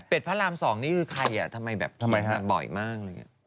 เป็ดพระราม๒นี่คือใครอ่ะทำไมแบบบ่อยมาก